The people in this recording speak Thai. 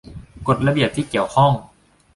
กฎระเบียบที่เกี่ยวข้อง